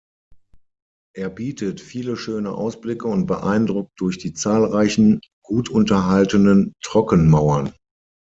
Er bietet viele schöne Ausblicke und beeindruckt durch die zahlreichen, gut unterhaltenen Trockenmauern.